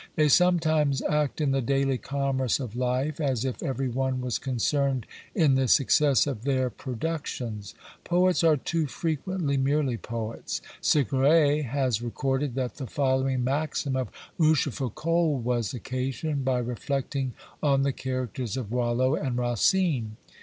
They sometimes act in the daily commerce of life as if every one was concerned in the success of their productions. Poets are too frequently merely poets. Segrais has recorded that the following maxim of Rochefoucault was occasioned by reflecting on the characters of Boileau and Racine.